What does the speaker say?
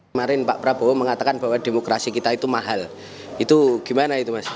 kemarin pak prabowo mengatakan bahwa demokrasi kita itu mahal itu gimana itu mas